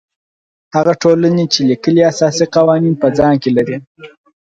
هغه ټولنې چې لیکلي اساسي قوانین په ځان کې لري.